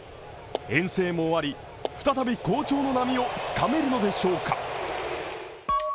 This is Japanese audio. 遠征も終わり、再び好調の波をつかめるのでしょうか？